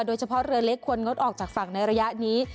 โดยเฉพาะเรือเล็กควรงดออกจากฝั่งในระยะนี้